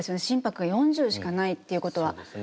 心拍が４０しかないっていうことは。